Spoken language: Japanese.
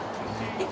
えっ！